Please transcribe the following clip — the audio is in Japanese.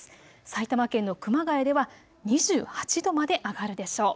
埼玉県の熊谷では２８度まで上がるでしょう。